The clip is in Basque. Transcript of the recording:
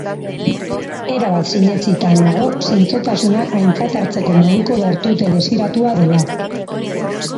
Erabat sinetsita nago zintzotasuna aintzat hartzeko moduko bertute desiratua dela.